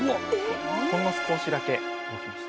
ほんの少しだけ動きました。